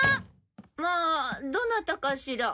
まあどなたかしら？